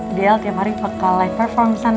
ideal tiap hari bakal live perform sana